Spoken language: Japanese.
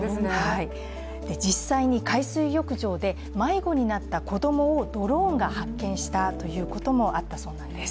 実際に海水浴場で迷子になった子供をドローンが発見したということもあったそうなんです。